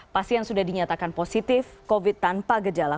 pasien sudah dinyatakan positif covid tanpa gejala